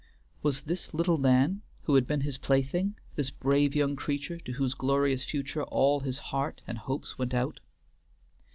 Was this little Nan, who had been his play thing? this brave young creature, to whose glorious future all his heart and hopes went out.